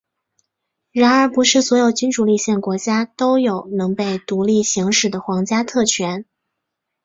然而不是所有君主立宪国家都有能被独立行使的皇家特权。